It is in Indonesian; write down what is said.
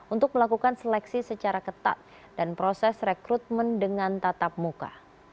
untuk melakukan seleksi secara ketat dan proses rekrutmen dengan tatap muka